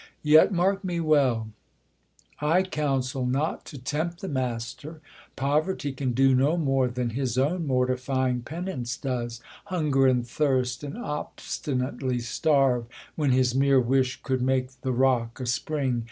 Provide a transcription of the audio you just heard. Yet mark me well, I counsel not to tempt The M?tStf^r ; poverty can do no more Than his own mortifying penance does, Hunger and thirst and obs^.inatcly starve, VYlicn his mere wish could make the rock a spring.